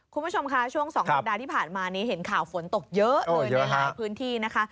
คุณผู้ชมคะช่วง๒สัปดาห์ที่ผ่านมานี้เห็นข่าวฝนตกเยอะเลยในหลายพื้นที่นะคะ